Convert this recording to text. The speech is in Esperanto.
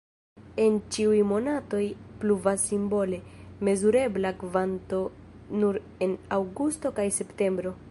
En ĉiuj monatoj pluvas simbole, mezurebla kvanto nur en aŭgusto kaj septembro.